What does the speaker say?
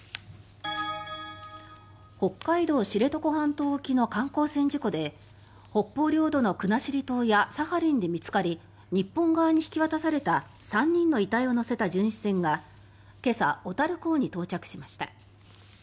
北海道・知床半島沖の観光船事故で北方領土の国後島やサハリンで見つかり日本側に引き渡された３人の遺体を乗せた巡視船が今朝、小樽港に到着しました。